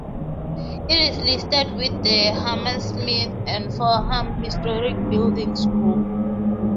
It is listed with the Hammersmith and Fulham Historic Buildings Group.